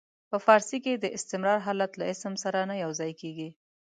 په فارسي کې د استمرار حالت له اسم سره نه یو ځای کیږي.